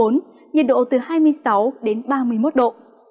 nhiệt độ từ hai mươi sáu đến ba mươi một độ